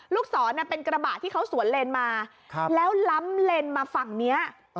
ลูกศรเป็นกระบะที่เขาสวนเลนมาแล้วล้ำเลนมาฝั่งนี้